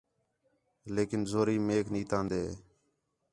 لیکن زوری میک نیتاندین